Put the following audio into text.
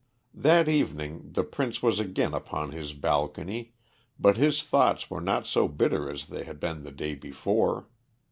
That evening the Prince was again upon his balcony, but his thoughts were not so bitter as they had been the day before.